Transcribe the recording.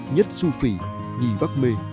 nhất xu phỉ nhì bắc mê